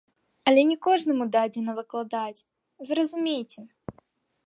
Але не кожнаму дадзена выкладаць, зразумейце.